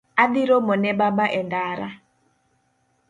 Adhi romo ne baba e ndara